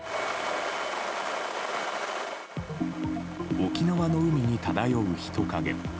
沖縄の海に漂う人影。